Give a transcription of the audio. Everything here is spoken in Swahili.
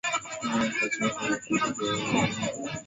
Tasnifu inahusu uchunguzi juu ya Asili ya Wapemba